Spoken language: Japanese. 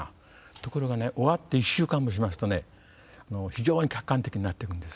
ところがね終わって１週間もしますとね非常に客観的になっていくんです。